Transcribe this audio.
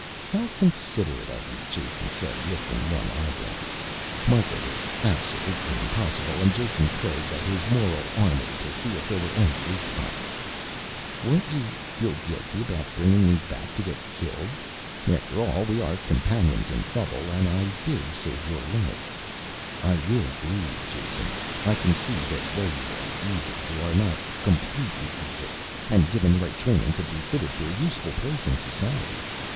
"How considerate of you," Jason said, lifting one eyebrow. Mikah was absolutely impossible, and Jason probed at his moral armor to see if there were any weak spots. "Won't you feel guilty about bringing me back to get killed? After all we are companions in trouble and I did save your life." [Illustration: Ijale] "I will grieve, Jason. I can see that though you are evil you are not completely evil, and given the right training could be fitted for a useful place in society.